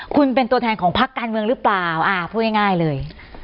คุณเป็นตัวแทนของพักการเมืองหรือเปล่าพูดง่ายเลย